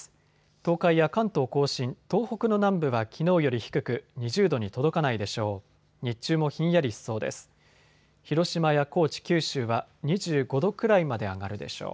東海や関東甲信、東北の南部はきのうより低く２０度に届かないでしょう。